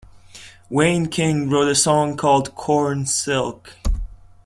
Wayne King wrote a song called, "Corn Silk".